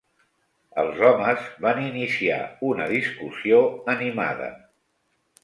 Els homes van iniciar una discussió animada.